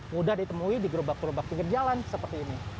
mudah ditemui di gerobak gerobak pinggir jalan seperti ini